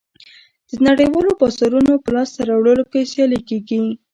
د نړیوالو بازارونو په لاسته راوړلو کې سیالي کېږي